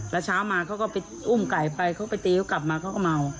แล้วเช้ามาเขาก็ไปอุ้มไก่ไปเขาไปตีเขากลับมาเขาก็เมา